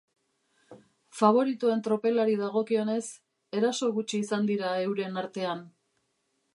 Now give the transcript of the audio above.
Faboritoen tropelari dagokionez, eraso gutxi izan dira euren artean.